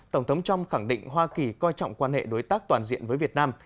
tổng thống trump khẳng định hoa kỳ coi trọng quan hệ đối tác toàn diện với việt nam